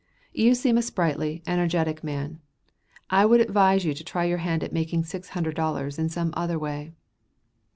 You seem a sprightly, energetic man. I would advise you to try your hand at making six hundred dollars in some other way."